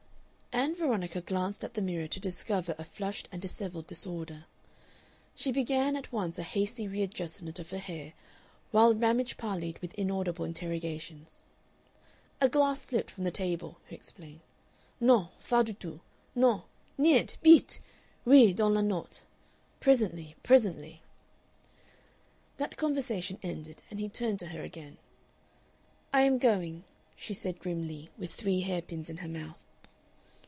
Ann Veronica glanced at the mirror to discover a flushed and dishevelled disorder. She began at once a hasty readjustment of her hair, while Ramage parleyed with inaudible interrogations. "A glass slipped from the table," he explained.... "Non. Fas du tout. Non.... Niente.... Bitte!... Oui, dans la note.... Presently. Presently." That conversation ended and he turned to her again. "I am going," she said grimly, with three hairpins in her mouth.